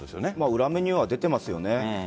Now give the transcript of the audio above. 裏目に出てますよね。